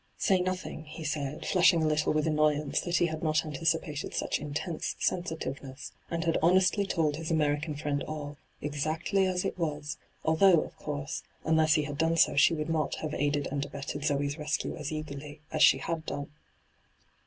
' Say nothing,' he said, flushing a litUe with annoyance that he had not anticipated such intense sensitiveness, and had honestly told his American Mend all, exactly as it was, although, of course, unless he had done so she would not have aided and abetted Zoe's rescue as eagerly as she had done.